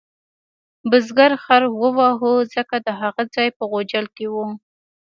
بزګر خر وواهه ځکه د هغه ځای په غوجل کې و.